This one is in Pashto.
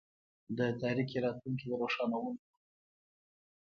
د تاریکي راتلونکي د روښانولو په هلوځلو.